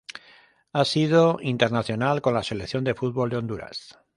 Ha sido internacional con la Selección de fútbol de Honduras